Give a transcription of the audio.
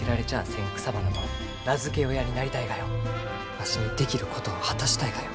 わしにできることを果たしたいがよ。